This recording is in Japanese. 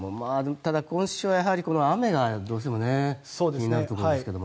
ただ、今週は雨がどうしても気になるところですけど。